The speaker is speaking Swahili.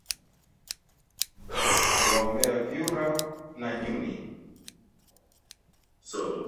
Aliwaombea vyura na nyuni